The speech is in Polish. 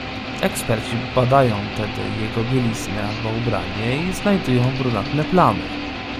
"Eksperci badają tedy jego bieliznę albo ubranie i znajdują brunatne plamy."